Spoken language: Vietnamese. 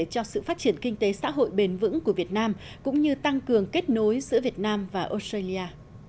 cho sự phát triển kinh tế xã hội bền vững của việt nam cũng như tăng cường kết nối giữa việt nam và australia